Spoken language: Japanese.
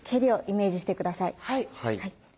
はい。